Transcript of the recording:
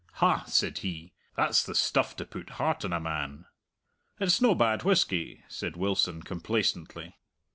"Ha!" said he, "that's the stuff to put heart in a man." "It's no bad whisky," said Wilson complacently.